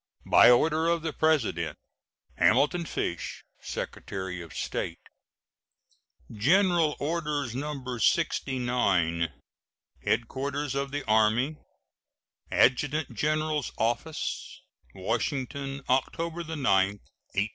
By order of the President: HAMILTON FISH, Secretary of State. GENERAL ORDERS, No. 69. HEADQUARTERS OF THE ARMY, ADJUTANT GENERAL'S OFFICE, Washington, October 9, 1869.